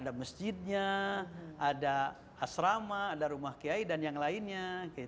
ada masjidnya ada asrama ada rumah kiai dan yang lainnya